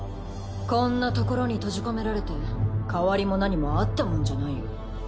こんなところに閉じ込められて変わりも何もあったもんじゃないよ。